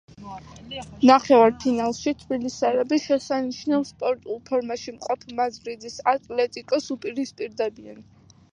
ნახევარფინალში თბილისელები შესანიშნავ სპორტულ ფორმაში მყოფ მადრიდის „ატლეტიკოს“ უპირისპირდებიან.